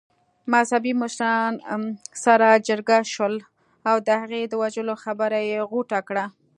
مذهبي مشران سره جرګه شول او د هغې د وژلو خبره يې غوټه کړه.